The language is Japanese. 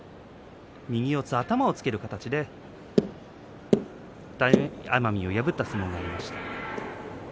右四つ頭をつける形で大奄美を破った相撲がありました。